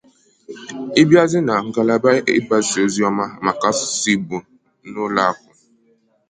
ị bịazie na ngalaba ịgbasa oziọma maka asụsụ Igbo n'ụlọụka